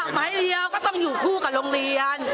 ไม้เดียวก็ต้องอยู่คู่กับโรงเรียน